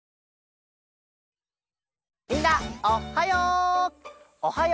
みんなおっはよ！